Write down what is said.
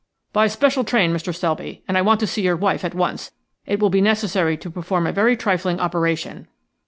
"By special train, Mr. Selby. And I want to see your wife at once. It will be necessary to perform a very trifling operation."